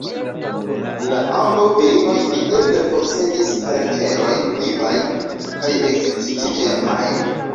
La ambaŭ virinoj videble posedis karakterojn vivajn kaj ekscitiĝemajn.